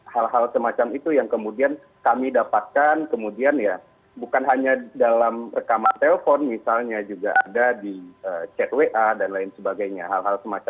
hal hal semacam itu yang kemudian kami dapatkan kemudian ya bukan hanya dalam rekaman telepon misalnya juga ada di chat wa dan lain sebagainya hal hal semacam